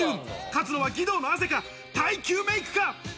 勝つのは義堂の汗か、耐久メイクか？